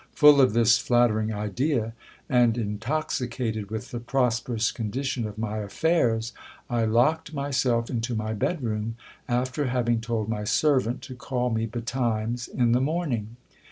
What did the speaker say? Full of this flattering idea, and intoxicated with the prosperous condition of my affairs, I locked myself into my bed room, after having told my servant to call me betimes in the morning.